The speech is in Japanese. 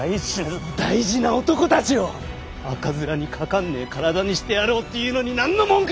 その大事な男たちを赤面にかかんねえ体にしてやろうっていうのに何の文句があんだよ！